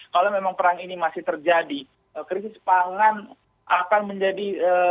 kalau memang perang ini masih terjadi krisis pangan akan menjadi